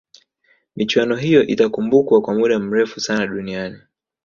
michuano hiyo itakumbukwa kwa muda mrefu sana duniani